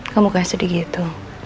kamu kan sedih gitu